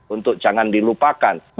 untuk jangan dilupakan